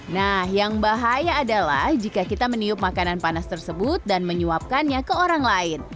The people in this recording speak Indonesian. nah yang bahaya adalah jika kita meniup makanan panas tersebut dan menyuapkannya ke orang lain